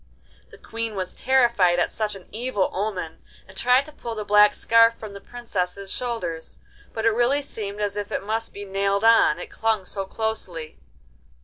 The Queen was terrified at such an evil omen, and tried to pull the black scarf from the Princess's shoulders, but it really seemed as if it must be nailed on, it clung so closely.